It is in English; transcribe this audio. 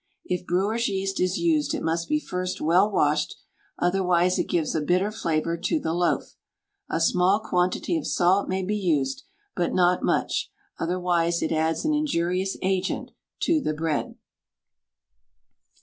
If brewer's yeast is used it must be first well washed, otherwise it gives a bitter flavour to the loaf. A small quantity of salt may be used, but not much, otherwise it adds an injurious agent to the bread.